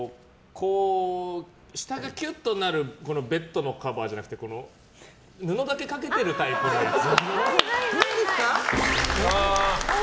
下がキュッとなるベッドのカバーじゃなくて布だけかけてるタイプのやつ。